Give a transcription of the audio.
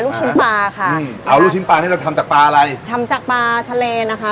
ลูกชิ้นปลาค่ะอืมเอาลูกชิ้นปลานี่เราทำจากปลาอะไรทำจากปลาทะเลนะคะ